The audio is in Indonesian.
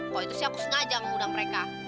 kalo itu sih aku sengaja mau ngundang mereka